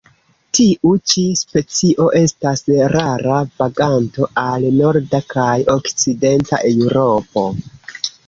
Tiu ĉi specio estas rara vaganto al norda kaj okcidenta Eŭropo.